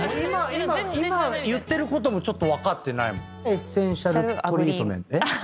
今言ってることもちょっと分かってないもん。